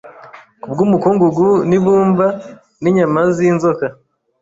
Kubwumukungugu nibumba ninyama zinzoka